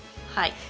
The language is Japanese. はい。